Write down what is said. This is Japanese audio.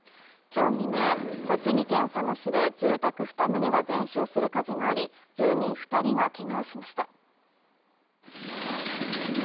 今日未明、栃木県佐野市で住宅２棟が全焼する火事があり、住人２人がけがをしました。